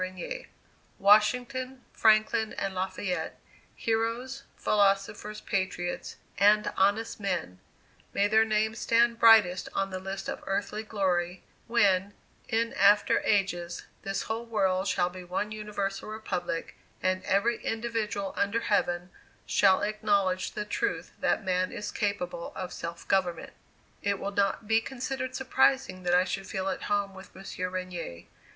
Regnier: "Washington, Franklin, and Lafayette heroes, philosophers, patriots, and honest men: May their names stand brightest on the list of earthly glory, when, in after ages, this whole world shall be one universal republic, and every individual under Heaven shall acknowledge the truth that man is capable of self government." It will not be considered surprising that I should feel at home with Monsieur Regnier.